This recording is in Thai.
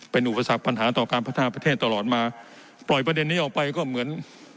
เป็นอุปสรรคปัญหาต่อการพัฒนาประเทศตลอดมาปล่อยประเด็นนี้ออกไปก็เหมือน